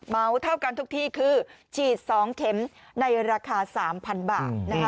เท่ากันทุกที่คือฉีด๒เข็มในราคา๓๐๐๐บาท